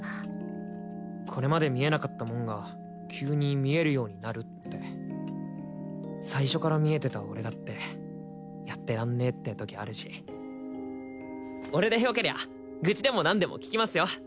これまで見えなかったもんが急に見えるようになるって最初から見えてた俺だってやってらんねえって時あるし俺でよけりゃ愚痴でも何でも聞きますよ